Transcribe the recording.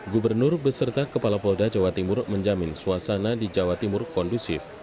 gubernur beserta kepala polda jawa timur menjamin suasana di jawa timur kondusif